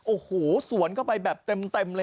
โอ้โหสวนเข้าไปเต็ม